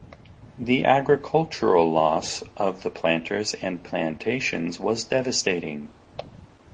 The agricultural loss of the planters and plantations was devastating.